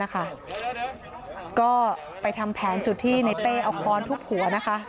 ก็ไปทำแทนจุดที่ในเบ๊เอาค้อนทุบหัว